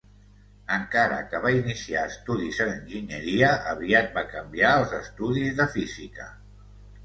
Encara que va iniciar estudis en enginyeria, aviat va canviar als estudis de física.